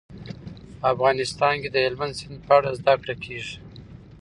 افغانستان کې د هلمند سیند په اړه زده کړه کېږي.